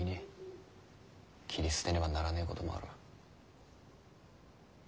切り捨てねばならねぇこともある。